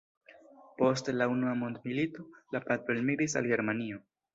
Post la Unua mondmilito, la patro elmigris al Germanio.